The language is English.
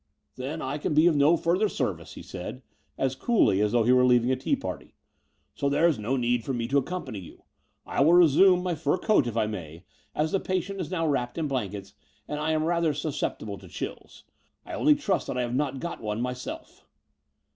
Then I can be of no further service," he said as coolly as though he were leaving a tea party; so there is no need for me to accompany you. I will resume my fur coat, if I may, as the patient is now wrapped in blankets, and I am rather sus ceptible to chills. I only trust that I have not got one myself."